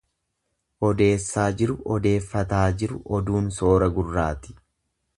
Odeessaa jiru odeeffataa jiru oduun soora gurraati.